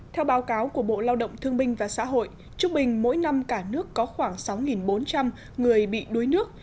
theo báo cáo của bộ lao động thương binh và xã hội trung bình mỗi năm cả nước có khoảng sáu bốn trăm linh người bị đuối nước